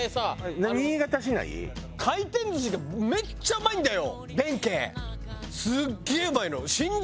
回転寿司がめっちゃうまいんだよ弁慶。